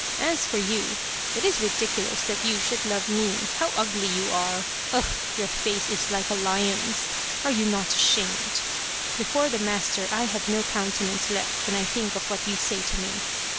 As for you, it is ridiculous that you should love me. How ugly you are ! Ugh ! your face is like a lion's. Are you not ashamed. Before the master I have no countenance left when I think of what you say to me.